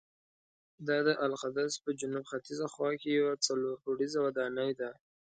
دا د القدس په جنوب ختیځه خوا کې یوه څلور پوړیزه ودانۍ ده.